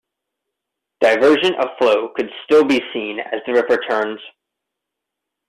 Diversion of flow could still be seen as the river turns.